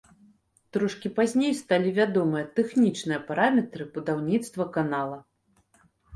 Трошкі пазней сталі вядомыя тэхнічныя параметры будаўніцтва канала.